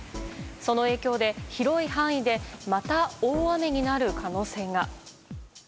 その影響で広い範囲でまた大雨になる可能性が。